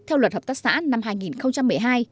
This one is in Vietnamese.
theo luật hợp tác xã năm hai nghìn một mươi hai